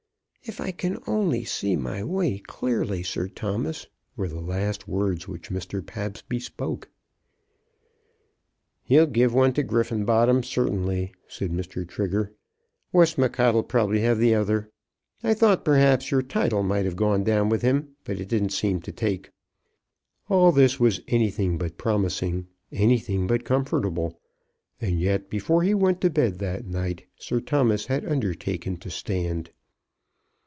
"If I can only see my way clearly, Sir Thomas," were the last words which Mr. Pabsby spoke. "He'll give one to Griffenbottom, certainly," said Mr. Trigger. "Westmacott 'll probably have the other. I thought perhaps your title might have gone down with him, but it didn't seem to take." All this was anything but promising, anything but comfortable; and yet before he went to bed that night Sir Thomas had undertaken to stand.